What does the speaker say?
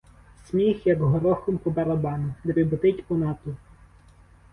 Сміх, як горохом по барабану, дріботить по натовпу.